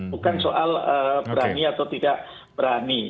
bukan soal berani atau tidak berani